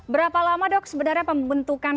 berapa lama dok sebenarnya pembentukan